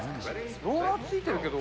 ローラーついてるけど。